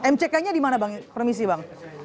mck nya di mana bang permisi bang